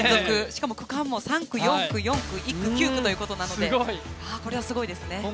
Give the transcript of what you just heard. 区間も３区、４区、４区１区、９区ということなのでこれは、すごいですね。